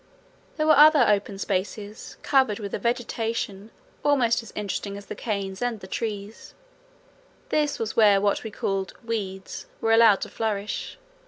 There were other open spaces covered with a vegetation almost as interesting as the canes and the trees: this was where what were called "weeds" were allowed to flourish.